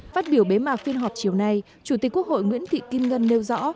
phát biểu bế mạc phiên họp chiều nay chủ tịch quốc hội nguyễn thị kim ngân nêu rõ